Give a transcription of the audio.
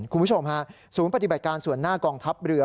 คุณผู้ชมฮะศูนย์ปฏิบัติการส่วนหน้ากองทัพเรือ